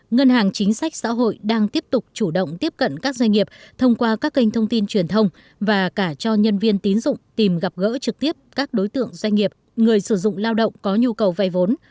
ngân hàng chính sách xã hội đang tiếp tục chủ động tiếp cận các doanh nghiệp thông qua các kênh thông tin truyền thông và cả cho nhân viên tín dụng tìm gặp gỡ trực tiếp các đối tượng doanh nghiệp người sử dụng lao động có nhu cầu vay vốn